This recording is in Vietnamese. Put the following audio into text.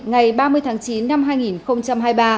ngày ba mươi tháng chín năm hai nghìn hai mươi ba